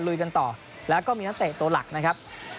ลุยกันต่อแล้วก็มีนักเตะตัวหลักนะครับ